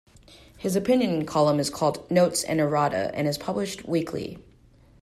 His opinion column is called "Notes and Errata" and is published weekly.